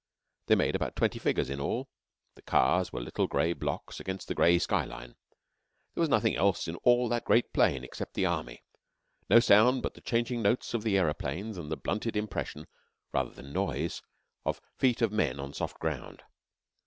They made about twenty figures in all. The cars were little grey blocks against the grey skyline. There was nothing else in all that great plain except the army; no sound but the changing notes of the aeroplanes and the blunted impression, rather than noise, of feet of men on soft ground.